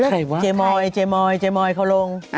ใครวะเจ๊มอยเจมอยเจมอยเขาลง